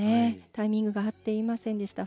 タイミングが合っていませんでした。